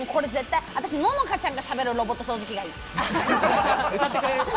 私、ののかちゃんがしゃべるロボット掃除機がいい。